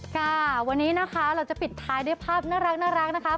ค่ะวันนี้นะคะเราจะปิดท้ายด้วยภาพน่ารักนะคะ